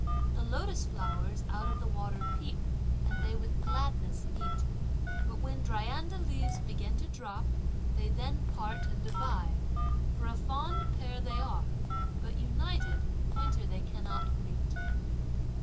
The lotus flowers out of the water peep, and they with gladness meet, But when dryandra leaves begin to drop, they then part and divide, For a fond pair they are, but, united, winter they cannot greet.